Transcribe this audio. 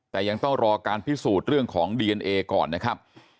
แต่ยังต้องรอการพิสูจน์เรื่องของดีเอนเอก่อนนะครับ